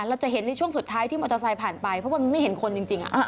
เราจะเห็นในช่วงสุดท้ายที่มอเตอร์ไซค์ผ่านไปเพราะมันไม่เห็นคนจริง